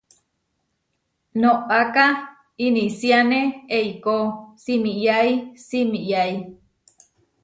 Noʼaká inisiáne eikó simiyái simiyái.